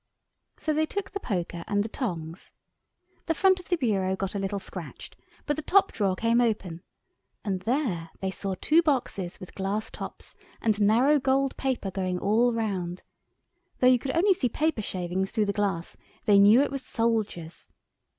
So they took the poker and the tongs. The front of the bureau got a little scratched, but the top drawer came open, and there they saw two boxes with glass tops and narrow gold paper going all round; though you could only see paper shavings through the glass they knew it was soldiers.